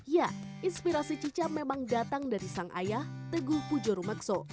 ya inspirasi cica memang datang dari sang ayah teguh pujo rumekso